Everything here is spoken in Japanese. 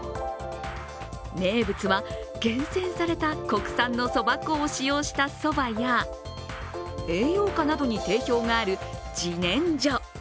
名物は、厳選された国産のそば粉を使用したそばや栄養価などに定評があるじねんじょ。